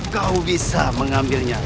kau bisa mengambilnya